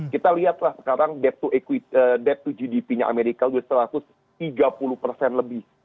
kita lihatlah sekarang debt to gdp nya amerika dua ratus tiga puluh lebih